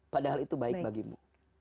padahal itu baik bagimu